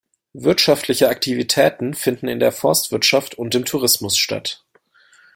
Wirtschaftliche Aktivitäten finden in der Forstwirtschaft und im Tourismus statt.